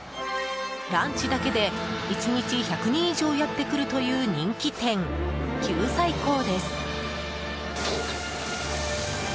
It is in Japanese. ランチだけで１日１００人以上やってくるという人気店九寨溝です。